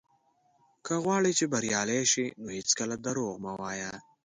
که غواړې چې بريالی شې، نو هېڅکله دروغ مه وايه.